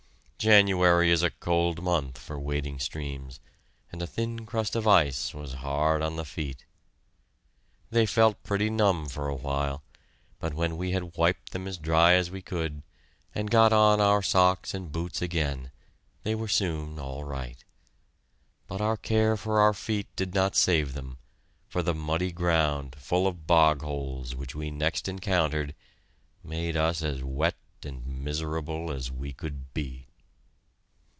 January is a cold month for wading streams, and a thin crust of ice was hard on the feet. They felt pretty numb for a while, but when we had wiped them as dry as we could and got on our socks and boots again, they were soon all right. But our care for our feet did not save them, for the muddy ground, full of bog holes, which we next encountered, made us as wet and miserable as we could be.